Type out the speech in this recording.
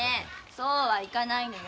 そうはいかないのよ。